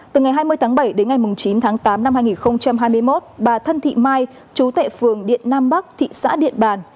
từ ngày hai mươi tháng bảy đến ngày chín tháng tám năm hai nghìn hai mươi một bà thân thị mai chú tại phường điện nam bắc thị xã điện bàn